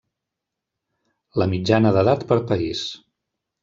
La mitjana d'edat per país.